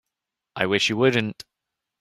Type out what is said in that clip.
I wish you wouldn't.